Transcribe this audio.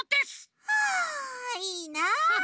あいいな！